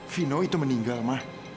vino itu meninggal ma